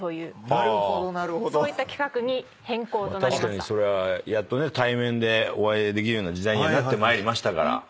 確かにそれはやっとね対面でお会いできるような時代にはなってまいりましたから。